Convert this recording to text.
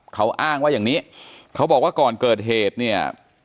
เขาอ้างว่าอย่างนี้เขาบอกว่าก่อนเกิดเหตุเนี่ย